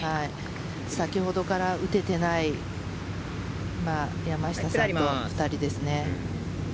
先ほどから打てていない山下さんと、２人ですね。